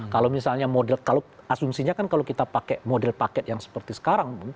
kalau misalnya model kalau asumsinya kan kalau kita pakai model paket yang seperti sekarang